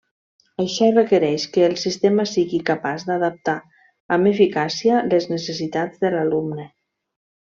Això requereix que el sistema sigui capaç d'adaptar amb eficàcia les necessitats de l'alumne.